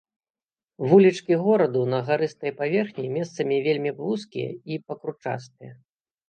Вулічкі гораду на гарыстай паверхні месцамі вельмі вузкія і пакручастыя.